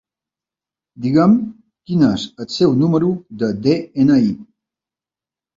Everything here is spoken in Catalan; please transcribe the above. Diga'm quin és el seu número de de-ena-i.